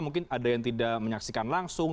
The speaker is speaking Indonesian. mungkin ada yang tidak menyaksikan langsung